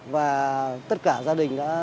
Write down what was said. và tất cả gia đình đã